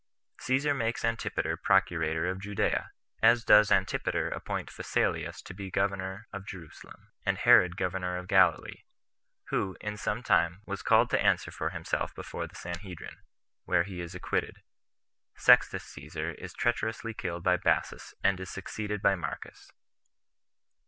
Caesar Makes Antipater Procurator Of Judea; As Does Antipater Appoint Phasaelus To Be Governor Of Jerusalem, And Herod Governor Of Galilee; Who, In Some Time, Was Called To Answer For Himself [Before The Sanhedrim], Where He Is Acquitted. Sextus Caesar Is Treacherously Killed By Bassus And Is Succeeded By Marcus.